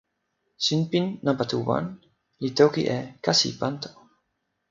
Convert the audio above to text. sinpin nanpa tu wan li toki e "kasi Panto".